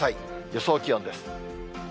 予想気温です。